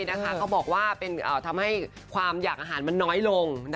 เขาบอกว่าทำให้ความอยากอาหารมันน้อยลง